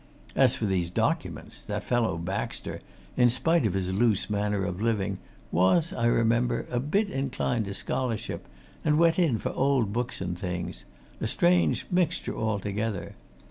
As for these documents, that fellow Baxter, in spite of his loose manner of living, was, I remember, a bit inclined to scholarship, and went in for old books and things a strange mixture altogether.